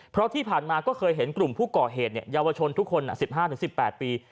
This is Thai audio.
เพราะที่ผ่านมาก็เคยเห็นกลุ่มผู้ก่อเหตุเยาวชนทุกคน๑๕๑๘ปี